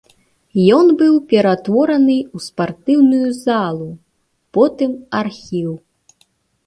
Ён быў пераўтвораны ў спартыўную залу, потым архіў.